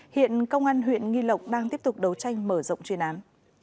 hiện công an huyện nghi lộc đang tiếp tục đấu tranh mở rộng chuyên án